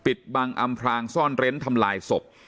ปิดบังอำพรางซ่อนเร้นทำลายศพ